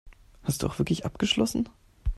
Hast du auch wirklich abgeschlossen?